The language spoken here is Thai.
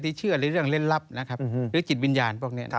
เชื่อในเรื่องเล่นลับนะครับหรือจิตวิญญาณพวกนี้